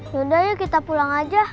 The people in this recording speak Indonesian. yaudah yuk kita pulang aja